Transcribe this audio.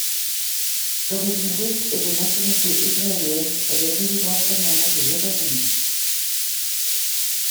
D'origine russe et de nationalité israélienne, elle est résidente permanente aux États-Unis.